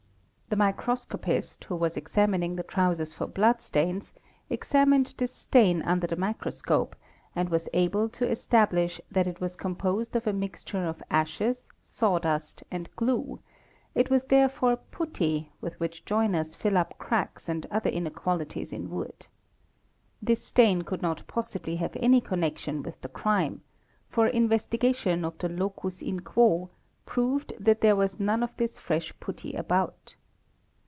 The microscopist, who was examining the trousers for blood | stains, examined this stain under the microscope and was able to establish that it was composed of a mixture of ashes, sawdust and glue; it wa therefore putty with which joiners fill up cracks and other inequalities 1 wood. 'This stain could not possibly have any connection with the crim for investigation of the locus in quo proved that there was none of thi fresh putty about.